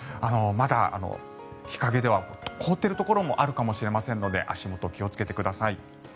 まだ日陰では凍っているところもあるかもしれませんので足元、気をつけてください。